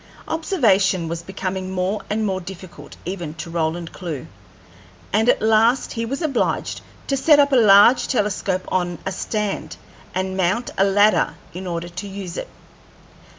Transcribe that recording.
Observation was becoming more and more difficult even to Roland Clewe, and at last he was obliged to set up a large telescope on a stand, and mount a ladder in order to use it.